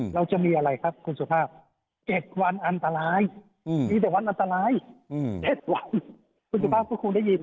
เราจะมีอะไรครับคุณสุภาพ๗วันอันตรายมีแต่วันอันตราย๗วัน